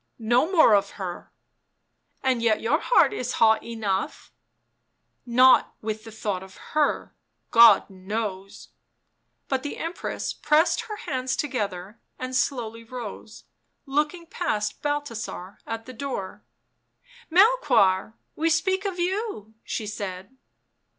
" No more of her." *' And yet your heart is hot enough "" Not with the thought of her — God knows." But the Emoress pressed her hands together and slowly rose, looking past Balthasar at the door. II Melchoir, we speak of you," she said.